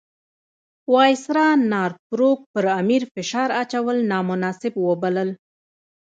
وایسرا نارت بروک پر امیر فشار اچول نامناسب وبلل.